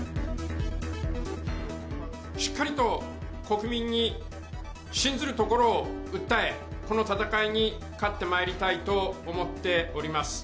しっかりと国民に信ずるところを訴え、この戦いに勝ってまいりたいと思っております。